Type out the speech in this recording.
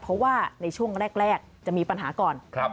เพราะว่าในช่วงแรกจะมีปัญหาก่อน